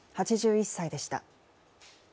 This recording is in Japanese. ８１歳でした。